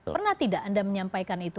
pernah tidak anda menyampaikan itu